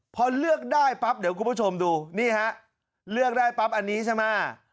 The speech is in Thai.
พอเลือกได้ปั๊บเดี๋ยวคุณผู้ชมดูนี่ฮะเลือกได้ปั๊บอันนี้ใช่ไหม